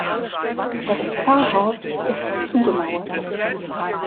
Das Pfarrhaus ist zugemauert.